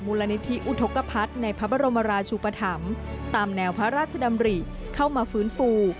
มูลนิธิอุทธกภัทรในพระบรมราชุปธรรมตามแนวพระราชดำริเข้ามาฟื้นฟู